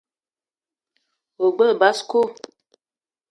O gbele basko?